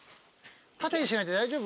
縦にしないで大丈夫？